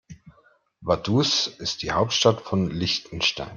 Vaduz ist die Hauptstadt von Liechtenstein.